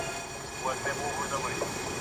سیلانیان ډېر وخت په طبیعت کې تیروي.